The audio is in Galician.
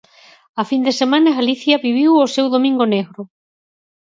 A fin de semana Galicia viviu o seu domingo negro.